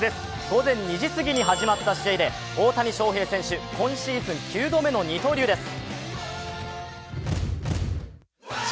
午前２時過ぎに始まった試合で大谷翔平選手、今シーズン９度目の二刀流です。